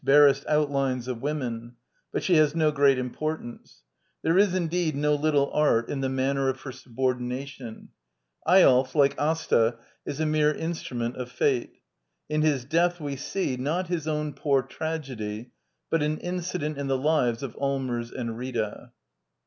barest outlines of women, but she has no great importance. There is, indeed, no little art in the xviii d by Google <^ INTRODUCTION manner of her subordination. Eyolf ^ like^ gta, is a mere instniment^ofjate. In his death we^ see, not TGisown poor tragedy, but an incident llf^Ee lives of Allmers^and Rita.